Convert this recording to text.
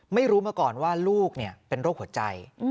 ไม่รู้มาก่อนว่าลูกเป็นโรคหัวใจ